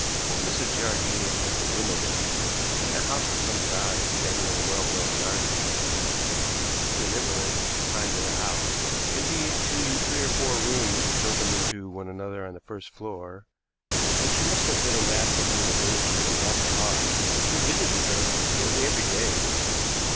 Old Mrs. Jardine lived at Wimbledon, in a house of some size standing in a well grown garden. She was an invalid, confined to the house indeed, to three or four rooms which opened into one another on the first floor and she must have been an absolute annuity to Dr. Hawes, who visited her nearly every day.